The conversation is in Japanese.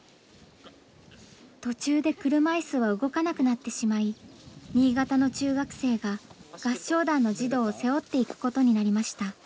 途中で車イスは動かなくなってしまい新潟の中学生が合唱団の児童を背負っていくことになりました。